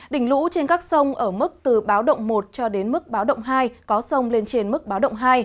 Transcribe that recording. đỉnh lũ trên các sông ở mức từ báo động một cho đến mức báo động hai có sông lên trên mức báo động hai